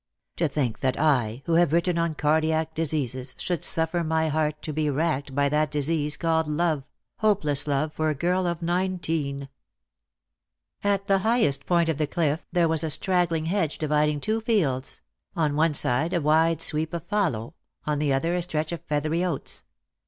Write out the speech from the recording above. " To think that I, who have written on cardiac diseases, should suffer my heart to be racked by that disease called love — hopeless love for a girl of nineteen !" At the highest point of the cliff there was a straggling hedge dividing two fields— on one side a wide sweep of fallow, on the other a stretch of feathery oats.